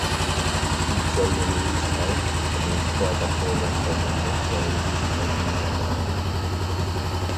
উজ্জ্বল রঙিন ঘর এবং খোয়া পাথরের রাস্তার জন্য জনবহুল স্থানটি বিখ্যাত।